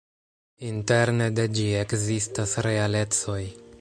Interne de ĝi ekzistas realecoj.